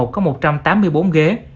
có một trăm tám mươi bốn ghế